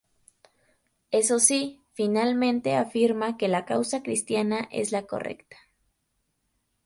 Eso sí, finalmente afirma que la causa cristiana es la correcta.